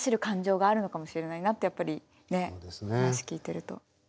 感情があるのかもしれないなってやっぱりね話聞いてると。